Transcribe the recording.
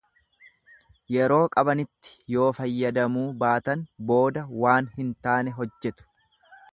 Yeroo qabanitti yoo fayyadamuu baatan booda waan hin taane hojjetu.